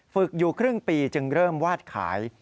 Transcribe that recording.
ฝึกอยู่ครึ่งปีจึงเริ่มวาดขาย